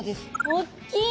おっきい！